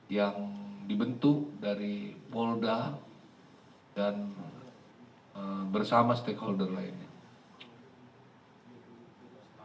yang dibentuk dari polda dan bersama stakeholder lainnya